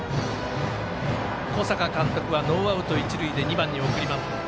小坂監督はノーアウト、一塁で２番に送りバント。